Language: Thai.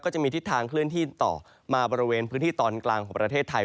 จะมีทิศทางเคลื่อนที่ต่อมาบริเวณพื้นที่ตอนกลางของประเทศไทย